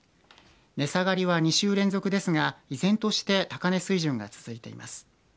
値下がりは２週連続ですが依然として高値水準が続いています。